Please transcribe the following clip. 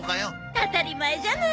当たり前じゃない！